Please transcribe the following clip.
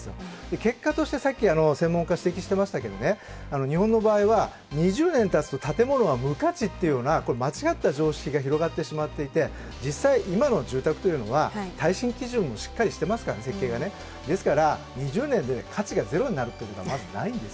結果として、さっき専門家指摘してましたけど、日本の場合は、２０年たつと建物は無価値っていうような間違ったような常識が広がってしまっていて、実際今の住宅基準というのは耐震基準もしっかりしてますから、ですから、２０年で価値がゼロになるっていうことはまずないんです。